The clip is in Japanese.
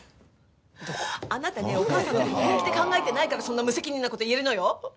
あなたねお母さんのこと本気で考えてないからそんな無責任なこと言えるのよ。